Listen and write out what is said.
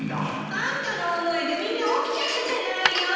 あんたの大声でみんな起きちゃったじゃないの！